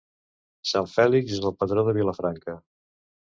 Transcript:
Sant Fèlix és el patró de Vilafranca.